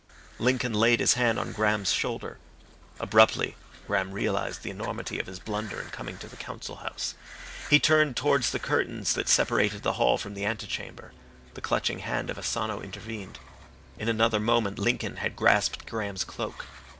Lincoln laid his hand on Graham's shoulder. Abruptly Graham realised the enormity of his blunder in coming to the Council House. He turned towards the curtains that separated the hall from the ante chamber. The clutching hand of Asano intervened. In another moment Lincoln had grasped Graham's cloak.